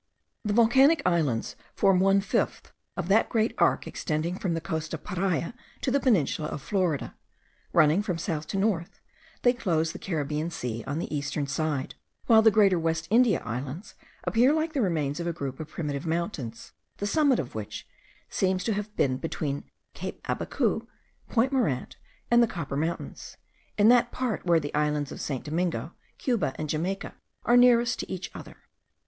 The volcanic islands form one fifth of that great arc extending from the coast of Paria to the peninsula of Florida. Running from south to north, they close the Caribbean Sea on the eastern side, while the greater West India Islands appear like the remains of a group of primitive mountains, the summit of which seems to have been between Cape Abacou, Point Morant, and the Copper Mountains, in that part where the islands of St. Domingo, Cuba, and Jamaica, are nearest to each other.